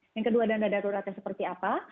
yang kedua dana daruratnya seperti apa